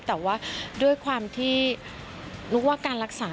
แต่ว่าด้วยความที่นุ๊กว่าการรักษา